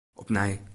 Opnij.